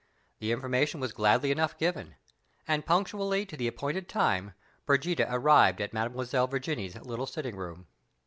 The information was gladly enough given; and, punctually to the appointed time, Brigida arrived in Mademoiselle Virginie's little sitting room.